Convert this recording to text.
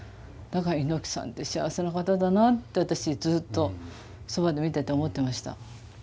だから猪木さんって幸せな方だなって私ずっとそばで見てて思ってました。